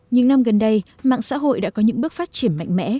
những năm gần đây mạng xã hội đã có những bước phát triển mạnh mẽ